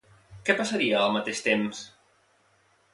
Què passaria al mateix temps?